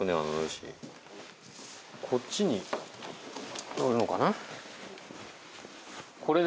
こっちに乗るのかな？